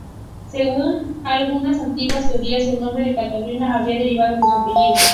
Según algunas antiguas teorías, el nombre de Cataluña habría derivado de su apellido.